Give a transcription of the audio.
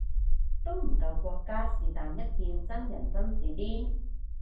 都唔夠國家是但一件真人真事癲